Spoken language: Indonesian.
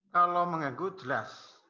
kalau mengganggu jelas